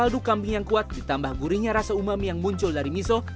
ditambah gurihnya rasa umami yang muncul dari miso